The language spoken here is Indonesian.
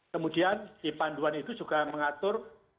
kemudian di panduan itu juga mengatur